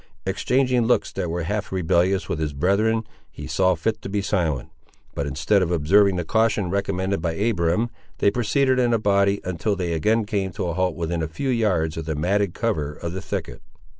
Exchanging looks that were half rebellious with his brethren, he saw fit to be silent. But instead of observing the caution recommended by Abiram, they proceeded in a body, until they again came to a halt within a few yards of the matted cover of the thicket.